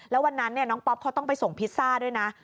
แล้ววันนั้นน้องป๊อปเขาต้องไปส่งพิซซ่าด้วยนะ